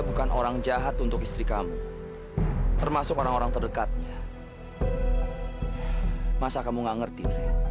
bukan orang jahat untuk istri kamu termasuk orang orang terdekatnya masa kamu nggak ngerti